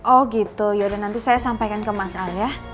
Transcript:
oh gitu yaudah nanti saya sampaikan ke mas ali